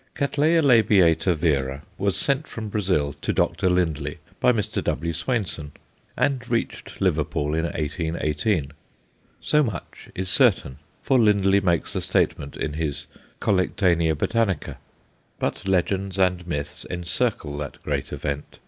Cattleya labiata vera was sent from Brazil to Dr. Lindley by Mr. W. Swainson, and reached Liverpool in 1818. So much is certain, for Lindley makes the statement in his Collectanea Botanica. But legends and myths encircle that great event.